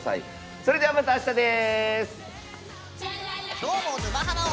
それでは、またあしたです！